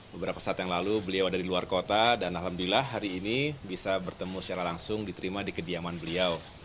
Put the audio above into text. beberapa saat yang lalu beliau ada di luar kota dan alhamdulillah hari ini bisa bertemu secara langsung diterima di kediaman beliau